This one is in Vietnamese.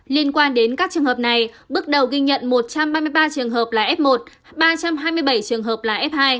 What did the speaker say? liên quan đến các trường hợp này bước đầu ghi nhận một trăm ba mươi ba trường hợp là f một ba trăm hai mươi bảy trường hợp là f hai